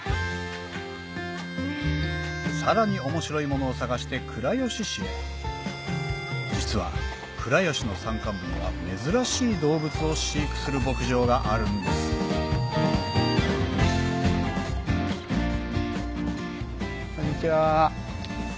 さらに面白いものを探して倉吉市へ実は倉吉の山間部には珍しい動物を飼育する牧場があるんですこんにちは。